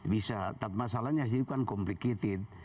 bisa masalahnya sih kan komplikasi